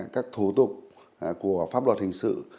các thủ tục của pháp luật hình sự